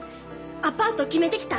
アパート決めてきた。